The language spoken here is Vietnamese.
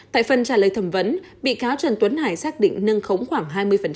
tại phần trả lời thẩm vấn bị cáo trần tuấn hải xác định nâng khống khoảng hai mươi